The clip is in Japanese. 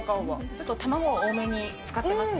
ちょっと卵多めに使ってますね。